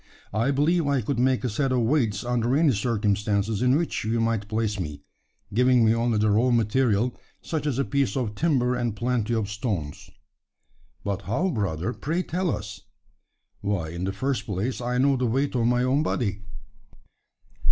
I believe I could make a set of weights under any circumstances in which you might place me giving me only the raw material, such as a piece of timber and plenty of stones." "But how, brother? Pray, tell us!" "Why, in the first place, I know the weight of my own body."